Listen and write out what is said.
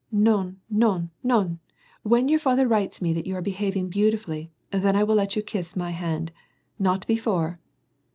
" Non / non / non / when your father writes me that you are behaving beautifully, then I will let you kiss my hand. Not before."